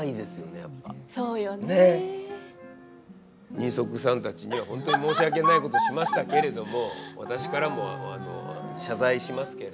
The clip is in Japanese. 人足さんたちには本当に申し訳ないことしましたけれども私からも謝罪しますけれども。